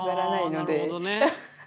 はあなるほどね。